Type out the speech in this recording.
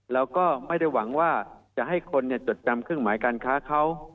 แล้วก็ไม่ได้หวังว่าจะให้คนจดจำเครื่องหมายการค้าเขา